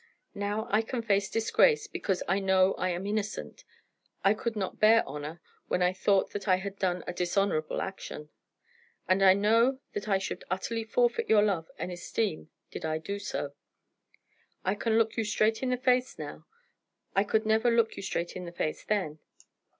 Now I can face disgrace, because I know I am innocent. I could not bear honour when I knew that I had done a dishonourable action; and I know that I should utterly forfeit your love and esteem did I do so. I can look you straight in the face now; I could never look you straight in the face then.